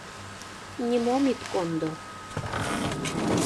Нимом ит кондо...